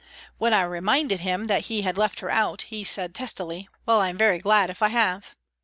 When I reminded him that he had left her out, he said testily, " Well, I'm very glad if I have."